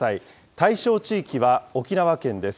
対象地域は沖縄県です。